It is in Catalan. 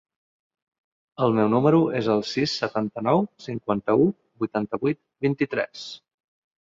El meu número es el sis, setanta-nou, cinquanta-u, vuitanta-vuit, vint-i-tres.